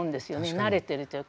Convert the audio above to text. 慣れてるというか。